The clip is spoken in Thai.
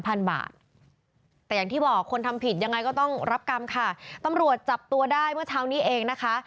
พันบาทแต่อย่างที่บอกคนทำผิดยังไงก็ต้องรับกรรมค่ะตำรวจจับตัวได้เมื่อเช้านี้เองนะคะ